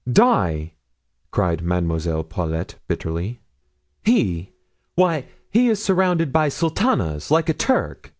"Die!" cried Mademoiselle Paulet, bitterly, "he! Why, he is surrounded by sultanas, like a Turk.